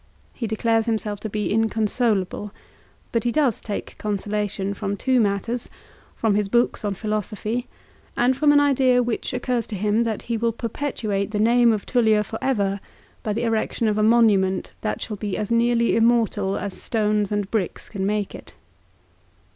He declares himself to be inconsolable; but he does take con solation from two matters, from his books on philosophy, and from an idea which occurs to him that he will per petuate the name of Tullia for ever by the erection of a monument that shall be as nearly immortal as stones and bricks can make it.